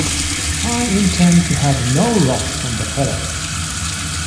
I intended to have no rot from the fellow.